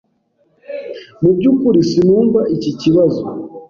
Mu byukuri sinumva iki kibazo.